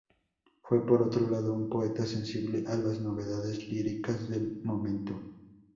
Fue, por otro lado, un poeta sensible a las novedades líricas del momento.